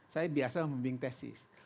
saya biasa membing tesis